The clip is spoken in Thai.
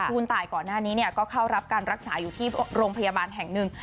คุณตายก่อนหน้านี้ก็เข้ารับการรักษาอยู่ที่โรงพยาบาลแห่งหนึ่ง